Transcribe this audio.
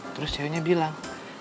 terus cowoknya bilang